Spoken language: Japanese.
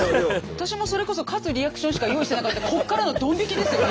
私もそれこそ勝つリアクションしか用意してなかったからこっからのどん引きですよ。